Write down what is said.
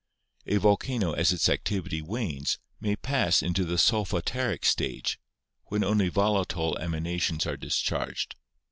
A volcano, as its activity wanes, may pass into the Solfa taric stage, when only volatile emanations are discharged.